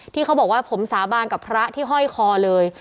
ที่เขาบอกว่าผมสาบานกับพระที่ห้อยคอเลย